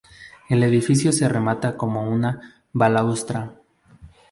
El edificio se remata con una balaustrada.